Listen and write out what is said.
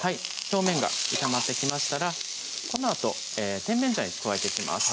表面が炒まってきましたらこのあと甜麺醤加えていきます